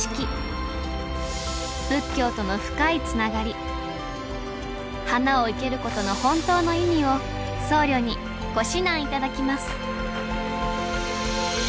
仏教との深いつながり花を生けることの本当の意味を僧侶にご指南頂きます